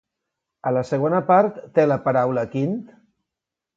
A la segona part té la paraula Quint?